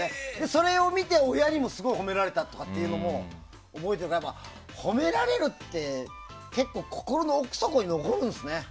それを見た親にもすごい褒められたのも覚えてるから、褒められるって結構、心の奥底に残るんですね。